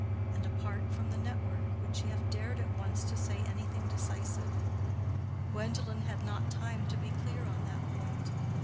And apart from the network, would she have dared at once to say anything decisive? Gwendolen had not time to be clear on that point.